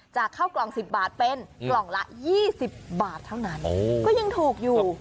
จากข้าวกล่อง๑๐บาทเป็นกล่องละ๒๐บาทเท่านั้นก็ยังถูกอยู่